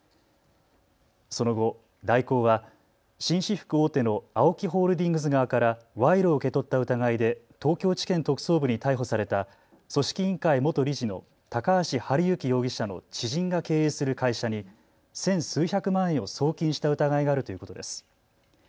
その後、大広は紳士服大手のＡＯＫＩホールディングス側から賄賂を受け取った疑いで東京地検特捜部に逮捕された組織委員会元理事の高橋治之容疑者の知人が経営する会社に千数百万円を送金した疑いがあるということです。